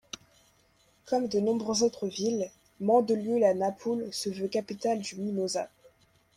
Comme de nombreuses autres villes, Mandelieu-la-Napoule se veut capitale du mimosa.